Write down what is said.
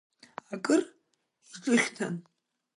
Акыр иҿыхьҭан.